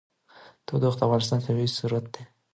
تودوخه د افغانستان طبعي ثروت دی.